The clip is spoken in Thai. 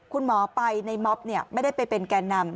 คุณหมอไปในม็อบไม่ได้ไปเป็นแก่นำ